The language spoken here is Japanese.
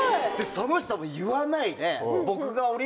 その人も言わないで。